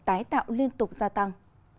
tái tạo liên tục gia tăng